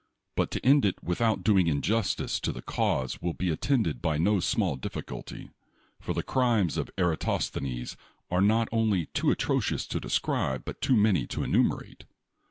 But to end it without doing in justice to the cause will be attended with no small difficulty. For the crimes of Eratosthenes are not only too atrocious to describe, but too many to enumerate.